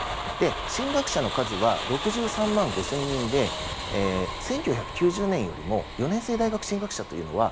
進学者の数は６３万５０００人で１９９０年よりも４年制大学の進学者は